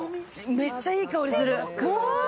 めっちゃいい香りする。